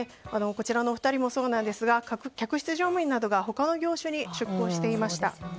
このお二人もそうなんですが客室乗務員などが他の業種に出向していました。